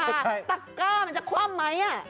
ตะกร้ามันจะค่่ำมัอย่างเนี้ย